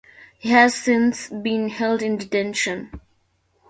He has since been held in detention.